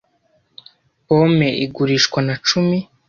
Pome igurishwa na cumi.